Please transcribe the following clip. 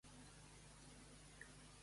Què va passar perquè deixés de ser d'ells?